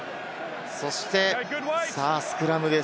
そしてスクラムです。